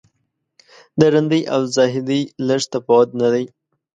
د رندۍ او زاهدۍ لږ تفاوت نه دی.